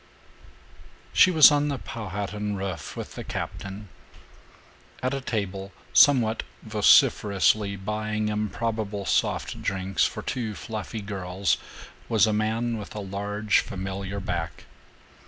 II She was on the Powhatan roof with the captain. At a table, somewhat vociferously buying improbable "soft drinks" for two fluffy girls, was a man with a large familiar back.